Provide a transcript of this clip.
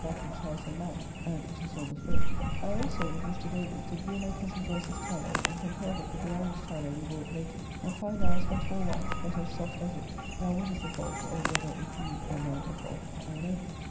Batten's house and mine, and it is almost ready. I also, with Mr. Davis, did view my cozen Joyce's tallow, and compared it with the Irish tallow we bought lately, and found ours much more white, but as soft as it; now what is the fault, or whether it be or no a fault, I know not.